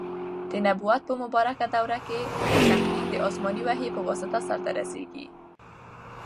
د نبوت په مبارکه دور کي تقنین د اسماني وحي په واسطه سرته رسیږي.